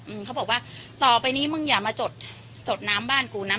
อืมเขาบอกว่าต่อไปนี้มึงอย่ามาจดจดน้ำบ้านกูนะ